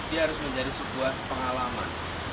dia harus menjadi sebuah pengalaman